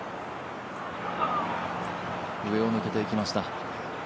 上を抜けていきました。